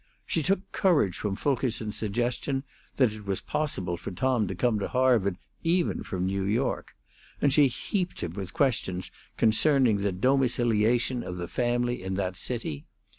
She took courage from Fulkerson's suggestion that it was possible for Tom to come to Harvard even from New York; and she heaped him with questions concerning the domiciliation of the family in that city.